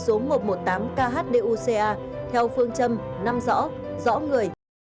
số một trăm một mươi tám khd uca theo phương châm năm rõ rõ người